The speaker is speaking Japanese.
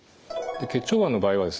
結腸がんの場合はですね